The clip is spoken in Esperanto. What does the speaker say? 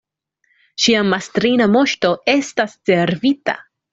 Ŝia mastrina Moŝto estas servita!